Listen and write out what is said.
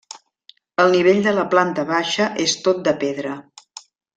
El nivell de la planta baixa és tot de pedra.